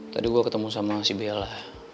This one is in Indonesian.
tadi gue ketemu sama si bella lah